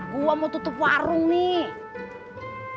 gua mau tutup warung nih